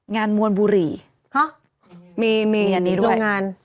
งานมวลบุหรี่มีอันนี้ด้วย